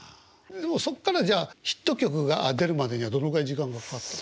でもそっからじゃあヒット曲が出るまでにはどのくらい時間がかかった。